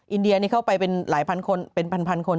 อินเดียนี่เข้าไปเป็นหลายพันคนเป็นพันคน